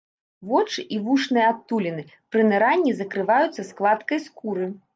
Вочы і вушныя адтуліны пры ныранні закрываюцца складкай скуры.